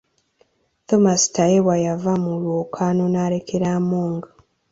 Thomas Tayebwa yava mu lwokaano n’alekera Among.